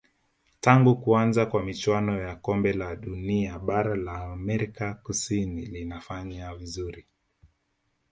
tangu kuanza kwa michuano ya kombe la dunia bara la amerika kusini linafanya vizuri